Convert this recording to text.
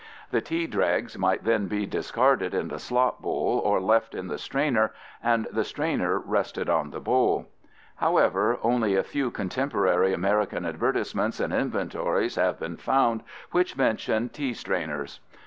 The tea dregs might then be discarded in the slop bowl or left in the strainer and the strainer rested on the bowl. However, only a few contemporary American advertisements and inventories have been found which mention tea strainers.